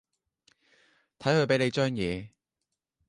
睇佢畀你張嘢